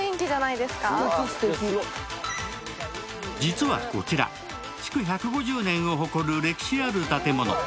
実はこちら、築１５０年を誇る歴史ある建物。